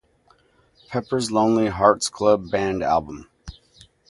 Pepper's Lonely Hearts Club Band album.